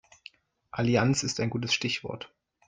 Allianz ist ein gutes Stichwort.